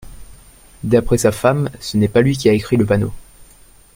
D’après sa femme, ce n’est pas lui qui a écrit le panneau